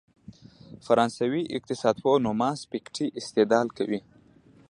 فرانسوي اقتصادپوه توماس پيکيټي استدلال کوي.